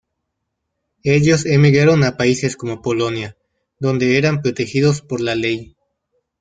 Ellos emigraron a países como Polonia, donde eran protegidos por la ley.